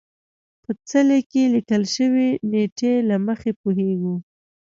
په څلي کې لیکل شوې نېټې له مخې پوهېږو.